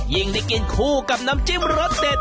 ยิ่งได้กินคู่กับน้ำจิ้มรสเด็ด